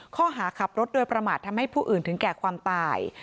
ข้อหาขับรถโดยประมาททำให้ผู้อื่นถึงแก่ความตาย